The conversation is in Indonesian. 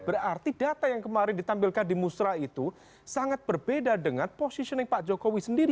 berarti data yang kemarin ditampilkan di musra itu sangat berbeda dengan positioning pak jokowi sendiri